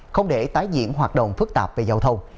không để tái diễn hoạt động phức tạp về giao thông